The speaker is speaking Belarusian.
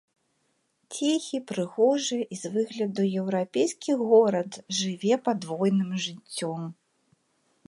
Ціхі, прыгожы і з выгляду еўрапейскі горад жыве падвойным жыццём.